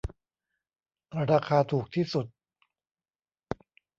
ราคาถูกที่สุด